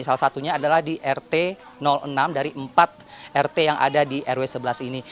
salah satunya adalah di rt enam dari empat rt yang ada di rw sebelas ini